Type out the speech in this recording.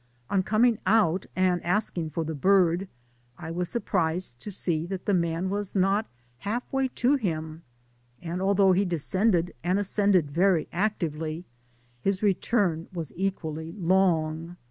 On coming out, and asking for the bird, I was surprised to see that the man was not half way to him; and although he descended and ascended very actively, his return was equally long.